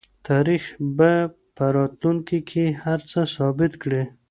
تاریخ به په راتلونکي کې هر څه ثابت کړي.